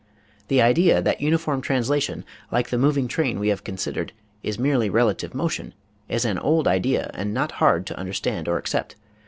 The idea that uniform translation, like the moving train we have considered, is merely relative motion, is an old idea and not hard to understand or accept.